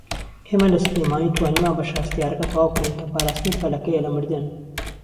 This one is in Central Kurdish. ئێمە لە سلێمانی توانیمان بەشە هەستیارەكە تەواو بكەین كە پاراستنی پەلەكەیە لە مردن